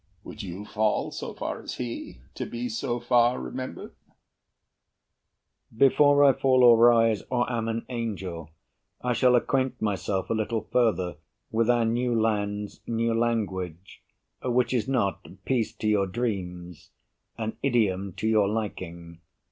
Would you fall So far as he, to be so far remembered? BURR Before I fall or rise, or am an angel, I shall acquaint myself a little further With our new land's new language, which is not Peace to your dreams an idiom to your liking.